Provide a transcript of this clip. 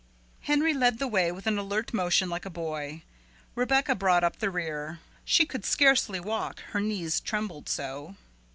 Henry led the way with an alert motion like a boy; Rebecca brought up the rear. She could scarcely walk, her knees trembled so.